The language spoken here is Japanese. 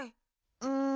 うん。